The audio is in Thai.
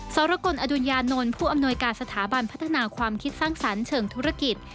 สรกลอดุญญานนท์ผู้อำนวยการสถาบันพัฒนาความคิดสร้างสรรค์เชิงธุรกิจ